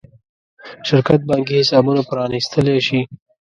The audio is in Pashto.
شرکت بانکي حسابونه پرانېستلی شي.